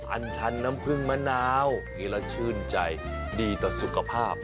อันชันน้ำผึ้งมะนาวกินแล้วชื่นใจดีต่อสุขภาพ